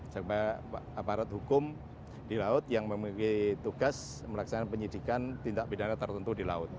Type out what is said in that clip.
serta aparat hukum di laut yang memiliki tugas melaksanakan penyidikan tindak pidana tertentu di laut